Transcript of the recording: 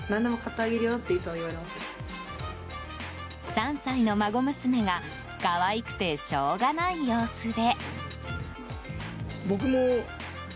３歳の孫娘が可愛くてしょうがない様子で。